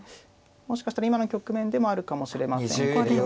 もしかしたら今の局面でもあるかもしれませんけれども。